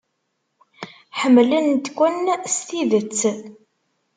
Ḥemmlent-ken s tidet.